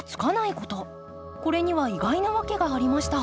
これには意外なワケがありました。